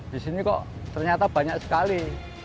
di sini kok ternyata banyak sekali